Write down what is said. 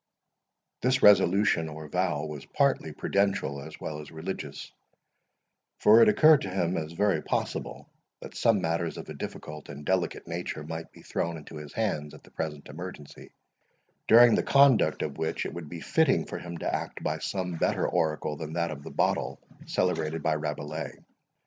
This resolution, or vow, was partly prudential as well as religious; for it occurred to him as very possible, that some matters of a difficult and delicate nature might be thrown into his hands at the present emergency, during the conduct of which it would be fitting for him to act by some better oracle than that of the Bottle, celebrated by Rabelais.